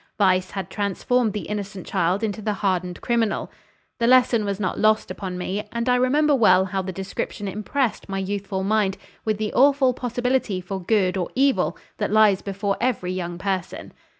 Vice had transformed the innocent child into the hardened criminal. The lesson was not lost upon me, and I remember well how the description impressed my youthful mind with the awful possibility for good or evil that lies before every young person.